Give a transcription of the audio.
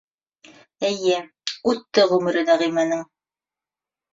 Эйе, үтте ғүмере Нәғимәнең.